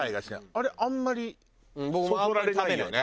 あれあんまりそそられないよね。